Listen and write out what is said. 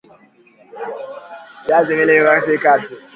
Viazi mbili vya ukubwa wa kati